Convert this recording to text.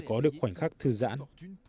có được khoảnh khắc thư giãn